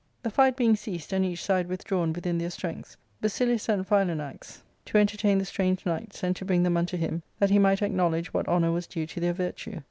The fight being ceased, and each side withdrawn within their strengths, Basilius sent Philanax to entertain the ARCADIA.^Book III. 317 strange knights, and to bring them unto him, that he might acknowledge what honour was due to their virtue.